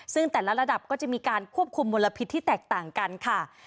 ซึ่งแต่ละระดับก็จะมีการควบคุมมลพิษที่แตกต่างกันค่ะ